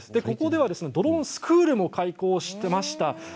こちらではドローンスクールも開校しました。